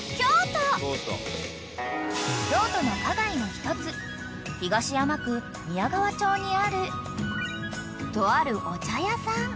［京都の花街の一つ東山区宮川町にあるとあるお茶屋さん］